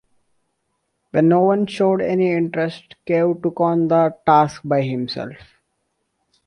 When no one showed any interest, Cave took on the task by himself.